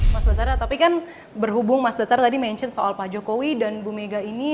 mas basara tapi kan berhubung mas bazar tadi mention soal pak jokowi dan bu mega ini